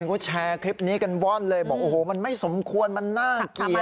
เขาแชร์คลิปนี้กันว่อนเลยบอกโอ้โหมันไม่สมควรมันน่าเกลียด